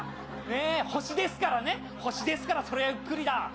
星ですからね、星ですから、そりゃ、ゆっくりだ。